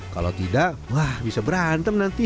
kalau tidak wah bisa berantem nanti